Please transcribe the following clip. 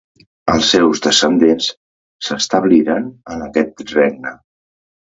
Els seus descendents s'establiren en aquest regne.